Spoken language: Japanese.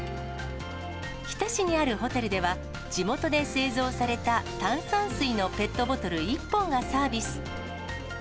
日田市にあるホテルでは、地元で製造された炭酸水のペットボトル１本がサービス。